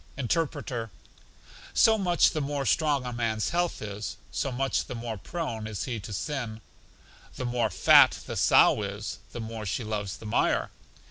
Interpreter: So much the more strong a man's health is, so much the more prone is he to sin. The more fat the sow is, the more she loves the mire.